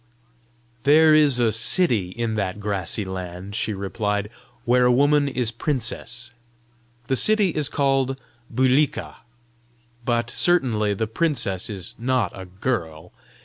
"There is a city in that grassy land," she replied, "where a woman is princess. The city is called Bulika. But certainly the princess is not a girl!